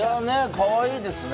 かわいいですね。